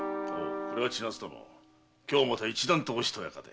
これは千奈津殿今日は一段とおしとやかで。